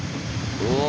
うわ。